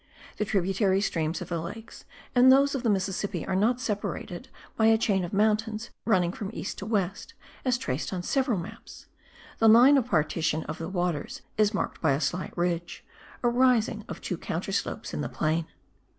The tributary streams of the lakes and those of the Mississippi are not separated by a chain of mountains running from east to west, as traced on several maps; the line of partition of the waters is marked by a slight ridge, a rising of two counter slopes in the plain.